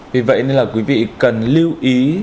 vì vậy nên là quý vị cần lưu ý